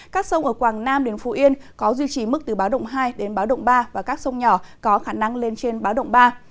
các sông ở quảng nam đến phú yên có duy trì mức từ báo động hai đến báo động ba và các sông nhỏ có khả năng lên trên báo động ba